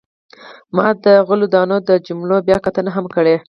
ما د غلو دانو د جملو بیاکتنه هم کړې.